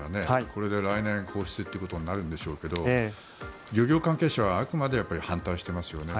これで来年放出となるんでしょうけど漁業関係者はあくまで反対していますよね。